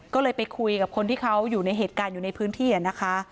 ก็เลยไปคุยกับคนที่เขาอยู่ในเหตุการณ์อยู่ในพื้นที่นะคะ